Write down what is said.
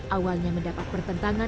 awalnya mendapat pertentangan dan kegiatan